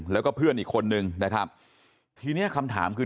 แล้วก็เพื่อนอีกคนนึงนะครับทีเนี้ยคำถามคือ